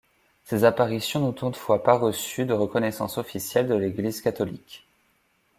Ces apparitions n'ont toutefois pas reçu de reconnaissance officielle de l'Église catholique.